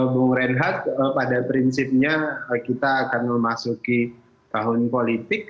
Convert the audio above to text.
bung reinhardt pada prinsipnya kita akan memasuki tahun politik